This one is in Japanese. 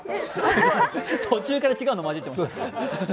途中から違うのまじってます。